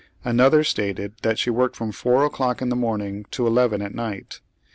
Anotlier stated that she worked from 4 o'clock in tlie morning to 11 at night.